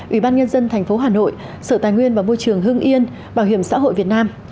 ủy ban nhân dân thành phố hà nội sở tài nguyên và môi trường hương yên bảo hiểm xã hội việt nam